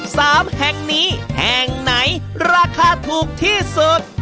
สามแห่งนี้แห่งไหนราคาถูกที่สุด